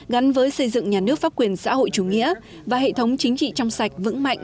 gắn với xây dựng nhà nước pháp quyền xã hội chủ nghĩa và hệ thống chính trị trong sạch vững mạnh